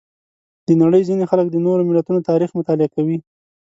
د نړۍ ځینې خلک د نورو ملتونو تاریخ مطالعه کوي.